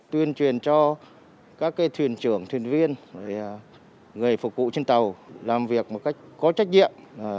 tuyên truyền cho các thuyền trưởng thuyền viên người phục vụ trên tàu làm việc một cách có trách nhiệm